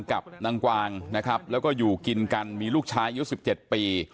กับนางกวางแล้วก็อยู่กินกันมีลูกชายอีกรูปที่๑๗ปี